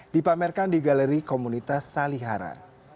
dipamerkan di galeri komunitas salihara